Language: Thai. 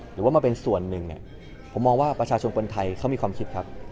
หรือว่ามาเป็นส่วนหนึ่งเนี่ยผมมองว่าประชาชนคนไทยเขามีความคิดครับ